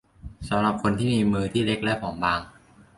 สำหรับคนที่มีมือที่เล็กและผอมบาง